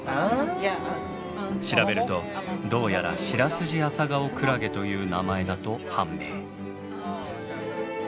調べるとどうやらシラスジアサガオクラゲという名前だと判明。